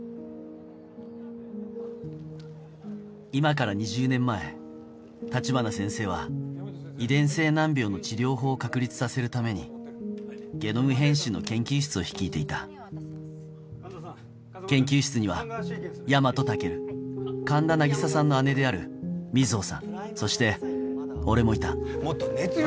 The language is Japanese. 今から２０年前立花先生は遺伝性難病の治療法を確立させるためにゲノム編集の研究室を率いていた研究室には大和猛流神田凪沙さんの姉である水帆さんそして俺もいたもっと熱量を。